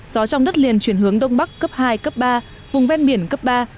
gió trong đất liền chuyển hướng đông bắc cấp hai cấp ba vùng ven biển cấp ba